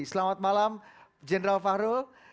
selamat malam jenderal fahru